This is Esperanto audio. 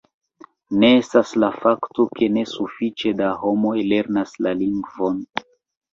Ne estas la fakto, ke ne sufiĉe da homoj lernas la lingvon.